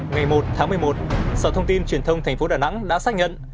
ngày một tháng một mươi một sở thông tin truyền thông thành phố đà nẵng đã xác nhận